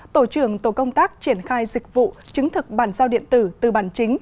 tổ trưởng tổ công tác triển khai dịch vụ chứng thực bản sao điện tử từ bản chính